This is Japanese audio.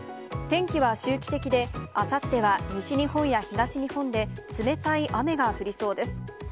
天気は周期的で、あさっては西日本や東日本で冷たい雨が降りそうです。